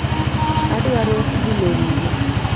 Adwaro bulo ring'o.